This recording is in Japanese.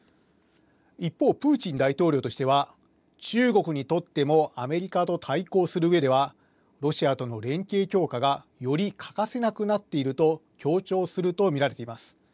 一方、プーチン大統領としては、中国にとってもアメリカと対抗するうえでは、ロシアとの連携強化がより欠かせなくなっていると強調すると見られています。